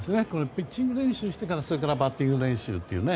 ピッチング練習してからそれからバッティング練習というね。